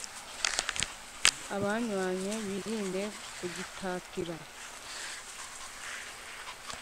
Abanywanye nibirinde kugitatira